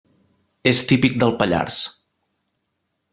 És típic del Pallars.